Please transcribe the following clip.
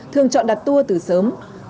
thường chọn đặt tour từ sớm